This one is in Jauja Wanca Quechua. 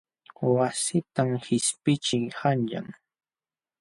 Wassitam qishpiqćhii qanyan.